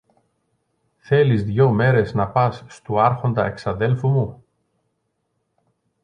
Θέλεις δυο μέρες να πας στου Άρχοντα εξαδέλφου μου;